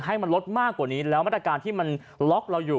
ให้มันลดมากกว่านี้แล้วมาตรการที่มันล็อกเราอยู่